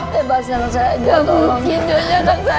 bebaskan anak saya